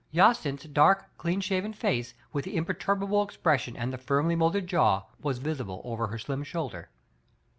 Jacynth*s dark, clean shaven face, with the imperturbable expression and the firmly molded jaw, was visible over her slim shoulder.